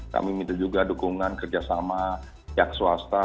kami minta juga dukungan kerja sama pihak swasta